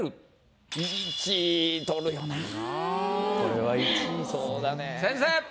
・これは１位っすね・先生！